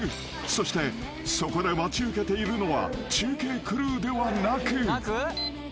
［そしてそこで待ち受けているのは中継クルーではなく］